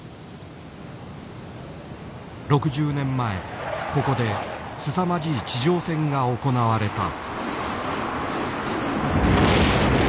６０年前ここですさまじい地上戦が行われた。